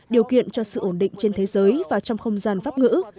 điều kiện cho sự ổn định trên thế giới và trong không gian pháp ngữ